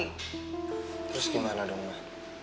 terus gimana dong ma